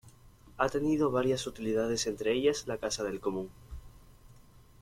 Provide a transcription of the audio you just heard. Ha tenido varias utilidades entre ellas la Casa del Común.